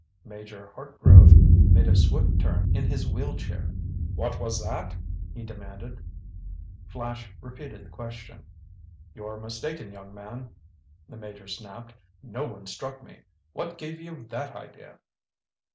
Major Hartgrove made a swift turn in his wheel chair. "What was that?" he demanded. Flash repeated the question. "You're mistaken, young man," the Major snapped. "No one struck me. What gave you that idea?"